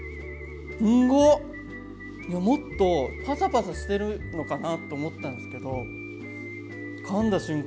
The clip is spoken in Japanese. もっとパサパサしてるのかなと思ってたんですけどかんだ瞬間